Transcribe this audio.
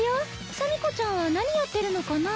シャミ子ちゃんは何やってるのかなあ？